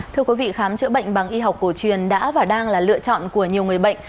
thưa quý vị khám chữa bệnh bằng y học cổ truyền đã và đang là lựa chọn của nhiều người bệnh